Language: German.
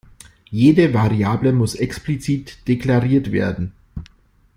Jede Variable muss explizit deklariert werden.